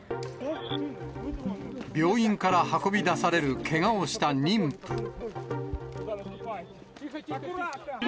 病院から運び出される、けがをした妊婦。